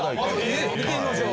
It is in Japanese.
え見てみましょう。